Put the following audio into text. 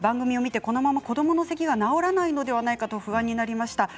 このまま子どものせきが治らないのではないかと不安になりました。